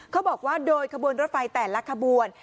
เขาบอกว่าโดยขบวนรถไฟแต่ละขบวน